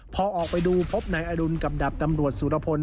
พอออกไปดูพบนายอรุณกับดาบตำรวจสุรพล